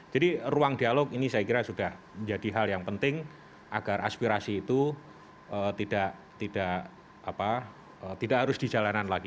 jadi ruang dialog ini saya kira sudah menjadi hal yang penting agar aspirasi itu tidak harus di jalanan lagi